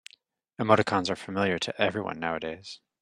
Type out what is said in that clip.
Emoticons are familiar to everyone nowadays.